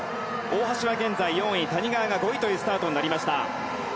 大橋は現在４位谷川が５位というスタートになりました。